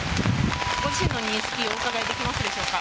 ご自身の認識をお伺いできますでしょうか。